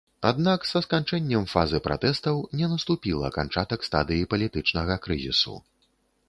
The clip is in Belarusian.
Аднак са сканчэннем фазы пратэстаў не наступіла канчатак стадыі палітычнага крызісу.